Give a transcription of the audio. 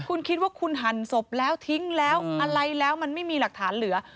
คุณคิดว่าคุณหั่นศพแล้วทิ้งแล้วอะไรแล้วมันไม่มีหลักฐานเหลือ